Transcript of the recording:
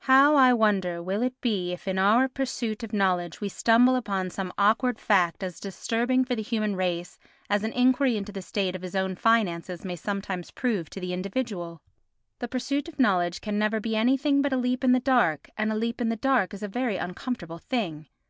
How, I wonder, will it be if in our pursuit of knowledge we stumble upon some awkward fact as disturbing for the human race as an enquiry into the state of his own finances may sometimes prove to the individual? The pursuit of knowledge can never be anything but a leap in the dark, and a leap in the dark is a very uncomfortable thing.